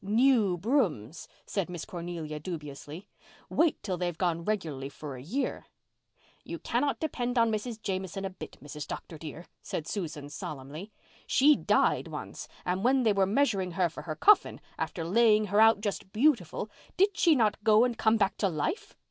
"New brooms!" said Miss Cornelia dubiously. "Wait till they've gone regularly for a year." "You cannot depend on Mrs. Jamieson a bit, Mrs. Dr. dear," said Susan solemnly. "She died once and when they were measuring her for her coffin, after laying her out just beautiful, did she not go and come back to life!